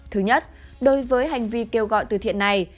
thứ nhất đối với hành vi kêu gọi từ thiện này